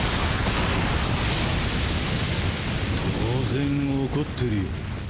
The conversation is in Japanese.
当然怒ってるよ。